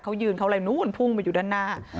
เขายืนเขาอะไรนู้นพุ่งมาอยู่ด้านหน้า